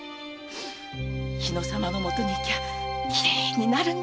日野様のもとに行きゃきれいになるんだ！